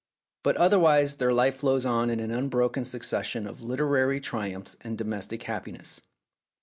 But otherwise their life flowed on in an unbroken succession of literary triumphs and domestic happiness.